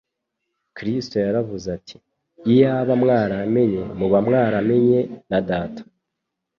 Kristo yaravuze ati: "Iyaba mwaramenye muba mwaramenye na Data.